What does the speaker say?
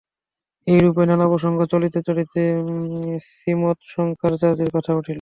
এইরূপে নানা প্রসঙ্গ চলিতে চলিতে শ্রীমৎ শঙ্করাচার্যের কথা উঠিল।